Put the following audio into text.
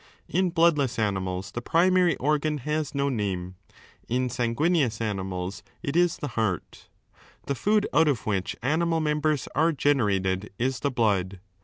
In bloodless animals the primary organ has no name, in sanguineous animals it is the heart 3 The food out of which animal members are generated is the blood.